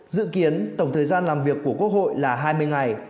dự kiến tổng thời gian làm việc của quốc hội là hai mươi ngày